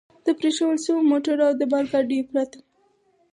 د پرېښوول شوو موټرو او د بار ګاډیو پرته.